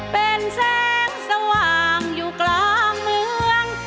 เป็นแสงสว่างอยู่กลางเมือง